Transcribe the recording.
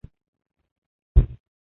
Zamon baxtiyor, xalq farovon.